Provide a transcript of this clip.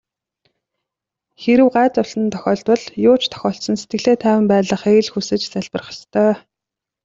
Хэрэв гай зовлон тохиолдвол юу ч тохиолдсон сэтгэлээ тайван байлгахыг л хүсэж залбирах ёстой.